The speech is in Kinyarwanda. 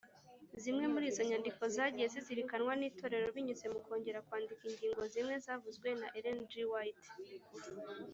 Zimwe muri izo nyandiko zagiye zizirikanwa n’itorero binyuze mu kongera kwandika ingingo zimwe zavuzwe na Ellen G. White